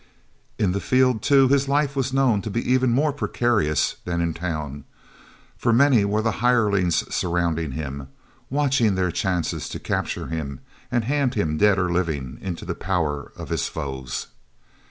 In the field, too, his life was known to be even more precarious than in town, for many were the hirelings surrounding him, watching their chances to capture him and hand him, dead or living, into the power of his foes.